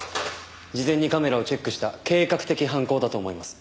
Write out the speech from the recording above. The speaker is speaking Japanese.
事前にカメラをチェックした計画的犯行だと思います。